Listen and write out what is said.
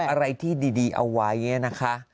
อะไรที่ดีเอาไว้นะคะ